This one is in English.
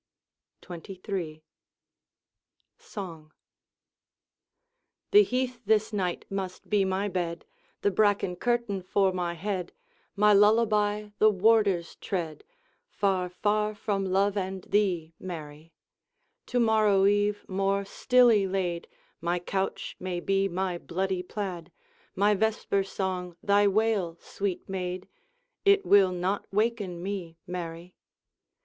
XXIII. Song. The heath this night must be my bed, The bracken curtain for my head, My lullaby the warder's tread, Far, far, from love and thee, Mary; To morrow eve, more stilly laid, My couch may be my bloody plaid, My vesper song thy wail, sweet maid! It will not waken me, Mary!